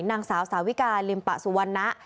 นางสาวสาวิกาลิมปะสุวรรณะ